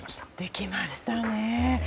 できましたね。